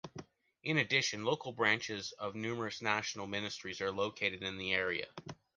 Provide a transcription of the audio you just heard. In addition, local branches of numerous national ministries are located in the area.